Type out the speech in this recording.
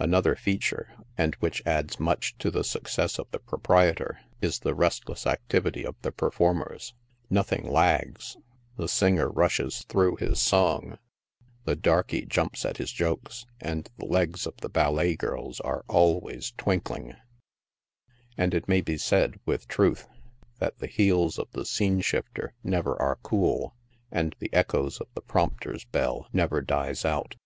Another feature, and which adds much to the success of the proprietor, is the restless activity of the performers ; nothing lags ; the singer rushes through his song, the darkey jumps at his jokes, and the legs of the ballet girls are always twinkling ; and it may be said, with truth, that the heels of the scene shifter never are cool, and the echoes of the prompter's bell never dies out.